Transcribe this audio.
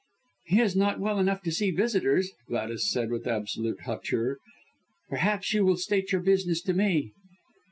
"He is not well enough to see visitors," Gladys said, with absolute hauteur. "Perhaps you will state your business to me."